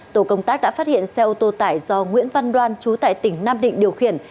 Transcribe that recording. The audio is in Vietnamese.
tổ công tác đã phát hiện xe ô tô tải do nguyễn văn đoan chú tại tỉnh nam định điều khiển